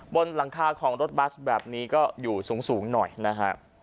บนหลังคาของรถบัสแบบนี้ก็อยู่สูงหน่อยนะฮะ